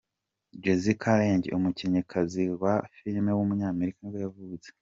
Jessica Lange, umukinnyikazi wa filime w’umunyamerika nibwo yavutse.